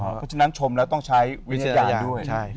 เพราะฉะนั้นชมแล้วต้องใช้วิจารณญาณด้วย